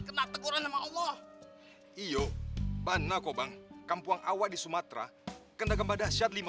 kenak akurat sama o our iyo banebong bank kampung awak di sumatera kena gempa dahan lima